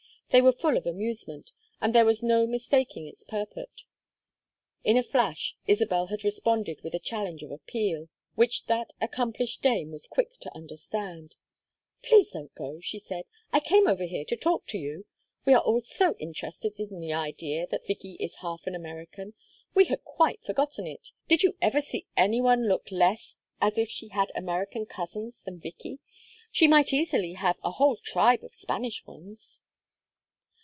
They were full of amusement, and there was no mistaking its purport. In a flash Isabel had responded with a challenge of appeal, which that accomplished dame was quick to understand. "Please don't go," she said. "I came over here to talk to you. We are all so interested in the idea that Vicky is half an American we had quite forgotten it. Did you ever see any one look less as if she had American cousins than Vicky? She might easily have a whole tribe of Spanish ones."